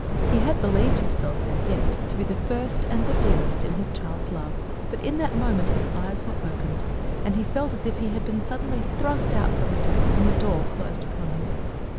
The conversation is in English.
He had believed himself, as yet, to be the first and the dearest in his child's love; but in that moment his eyes were opened, and he felt as if he had been suddenly thrust out from it and the door closed upon him.